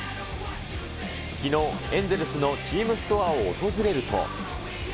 きのう、エンゼルスのチームストアを訪れると。